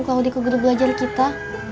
claudia ke guru belajar kita